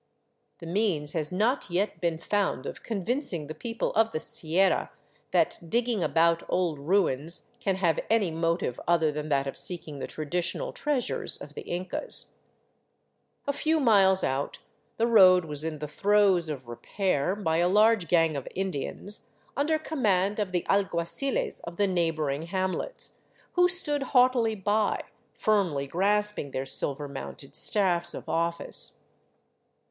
The means has not yet been found of convincing the people of the Sierra that digging about old ruins can have any motive other than that of seeking the traditional treasures of the Incas. A few miles out, the road was in the throes of " repair " by a large gang of Indians, under command of the alguaciles of the neighboring hamlets, who stood haughtily by, firmly grasping their silver mounted staffs of office.